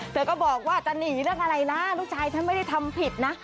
เธอก็บอกว่าจะหนีเรื่องอะไรนะลูกชายฉันไม่ได้ทำผิดนะ